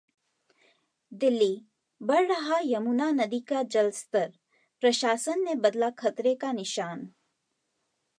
दिल्ली: बढ़ रहा यमुना नदी का जलस्तर, प्रशासन ने बदला खतरे का निशान